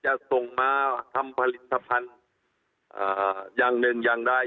จะส่งมาทำผลิตภัณฑ์อย่างหนึ่งอย่างใด